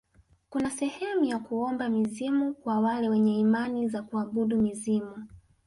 kuna sehemu ya kuomba mizimu kwa wale wenye imani za kuabudu mizimu